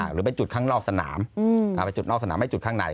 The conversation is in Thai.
หรือไปจุดข้างนอกสนามพาไปจุดนอกสนามไม่จุดข้างใน